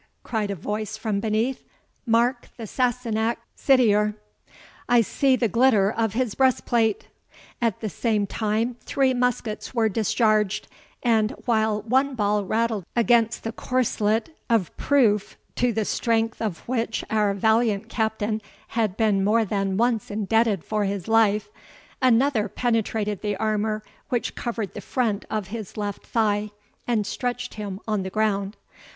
cried a voice from beneath, "mark the Sassenach sidier! I see the glitter of his breastplate." At the same time three muskets were discharged; and while one ball rattled against the corslet of proof, to the strength of which our valiant Captain had been more than once indebted for his life, another penetrated the armour which covered the front of his left thigh, and stretched him on the ground.